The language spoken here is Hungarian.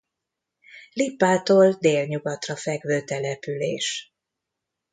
Lippától délnyugatra fekvő település.